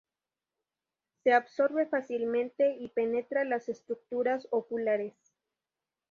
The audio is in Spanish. Se absorbe fácilmente y penetra las estructuras oculares.